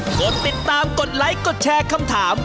กดติดตามกดไลค์กดแชร์คำถาม